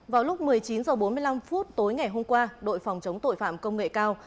vào lúc một mươi chín h bốn mươi năm tối ngày hôm qua đội phòng chống tội phạm công nghệ cao